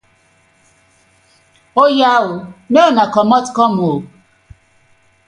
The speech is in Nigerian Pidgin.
Oya ooo!! Mek una komot kom oo!